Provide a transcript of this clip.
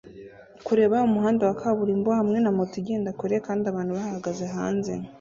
Kureba umuhanda wa kaburimbo hamwe na moto igenda kure kandi abantu bahagaze hanze